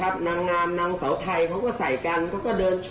บอกว่ามามอบตัวเลย